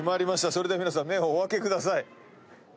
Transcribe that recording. それでは皆さん目をお開けください。